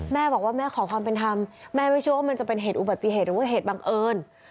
แม่บอกว่าแม่ขอความเป็นธรรมแม่ไม่เชื่อว่ามันจะเป็นเหตุอุบัติเหตุหรือว่าเหตุบังเอิญ